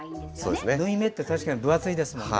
縫い目って確かに分厚いですもんね。